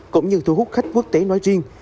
cũng như thu hút khách quốc tế nói riêng